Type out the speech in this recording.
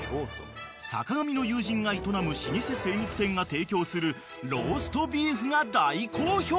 ［坂上の友人が営む老舗精肉店が提供するローストビーフが大好評］